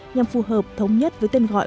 nhằm phù hợp thống nhất với tên gọi